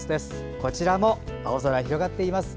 こちらも青空広がっています。